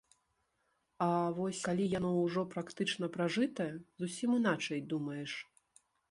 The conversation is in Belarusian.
А вось калі яно ўжо практычна пражытае, зусім іначай думаеш.